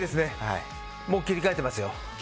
もう切り替えていますよ。